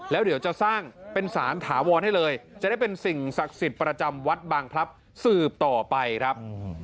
แล้วเดี๋ยวจะสร้างเป็นสารถาวรให้เลยจะได้เป็นสิ่งศักดิ์สิทธิ์ประจำวัดบางพลับสืบต่อไปครับ